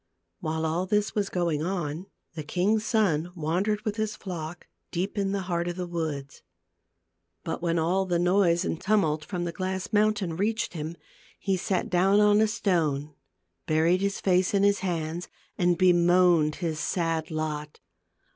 While all this was going on, the king's son wandered with his flock deep in the heart of the woods. But when all the noise and tumult from the glass mountain reached him he sat down on THE GLASS MOUNTAIN. 267 a stone, buried his face in his hands, and bemoaned his sad lot.